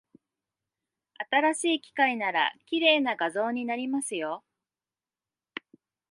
新しい機械なら、綺麗な画像になりますよ。